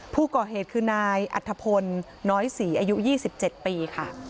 ผู้ก่อเหตุคือนายอัธพลน้อยศรีอายุ๒๗ปีค่ะ